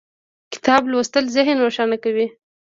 کتاب لوستل ذهن روښانه کوي